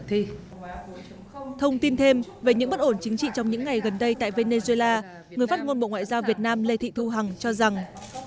thông tin thêm về những bất ổn chính trị trong những ngày gần đây tại venezuela người phát ngôn bộ ngoại giao việt nam lê thị thu hằng cho rằng